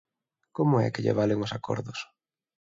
¿Como é que lle valen os acordos?